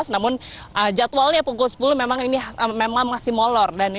namun jadwalnya pukul sepuluh memang masih molor